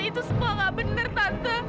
itu semua nggak benar tante